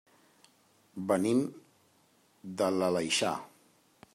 Venim de l'Aleixar.